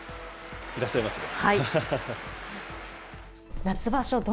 いらっしゃいますね。